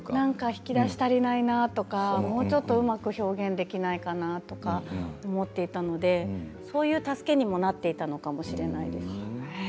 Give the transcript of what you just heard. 引き出し足りないなとかもうちょっとうまく表現できないかなと思っていたのでそういう助けにもなっていたのかもしれないです。